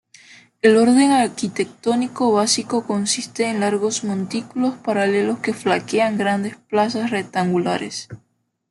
El orden arquitectónico básico consiste en largos montículos paralelos que flanquean grandes plazas rectangulares.